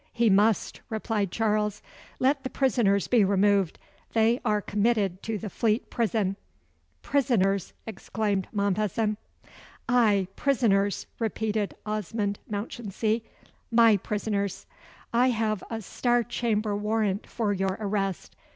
"He must," replied Charles. "Let the prisoners be removed. They are committed to the Fleet Prison." "Prisoners!" exclaimed Mompesson. "Ay, prisoners," repeated Osmond Mounchensey, "my prisoners. I have a Star Chamber warrant for your arrest.